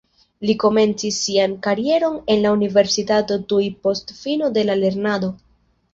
Li komencis sian karieron en la universitato tuj post fino de la lernado.